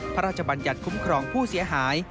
พระราชบัญญัติคุ้มครองผู้เสียหาย